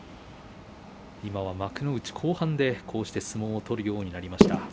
今は幕内の後半で相撲を取るようになりました。